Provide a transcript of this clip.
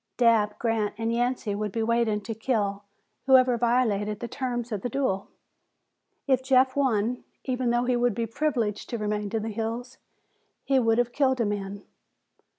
Dabb, Grant and Yancey would be waiting to kill whoever violated the terms of the duel. If Jeff won, even though he would be privileged to remain in the hills, he would have killed a man.